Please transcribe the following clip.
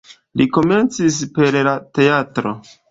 Li komencis per la teatro.